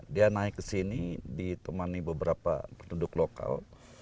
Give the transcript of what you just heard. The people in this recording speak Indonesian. dia naik ke sini ditemani beberapa penduduk lokal